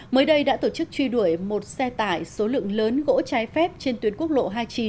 mới đây đã tổ chức truy đuổi một xe tải số lượng lớn gỗ trái phép trên tuyến quốc lộ hai mươi chín